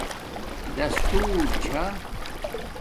دستور چھ